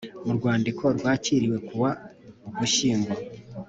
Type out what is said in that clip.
mu rwandiko rwakiriwe kuwa Ugushyingo